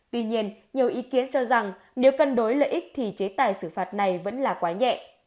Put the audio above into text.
tuy nhiên nhiều ý kiến cho rằng nếu cân đối lợi ích thì chế tài xử phạt này vẫn là quá nhẹ